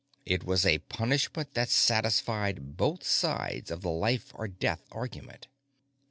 It was a punishment that satisfied both sides of the life or death argument.